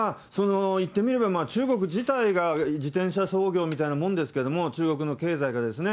言ってみれば中国自体が自転車操業みたいなものですけども、中国の経済がですね。